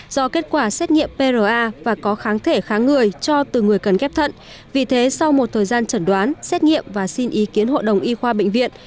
do kết quả xét nghiệm pra và có kháng thể kháng người cho từ người cần ghép thận vì thế sau một thời gian chẩn đoán xét nghiệm và xin ý kiến hội đồng y khoa bệnh viện